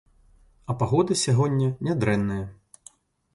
А пагода сягоння нядрэнная.